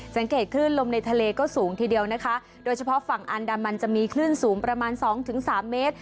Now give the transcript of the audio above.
คลื่นลมในทะเลก็สูงทีเดียวนะคะโดยเฉพาะฝั่งอันดามันจะมีคลื่นสูงประมาณสองถึงสามเมตร